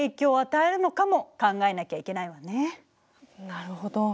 なるほど。